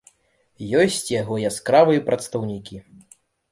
Ёсць яго яскравыя прадстаўнікі.